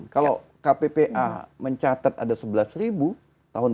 kalau kppa mencatat ada penelitian